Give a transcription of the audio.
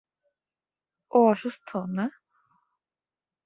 ও অসুস্থ, না?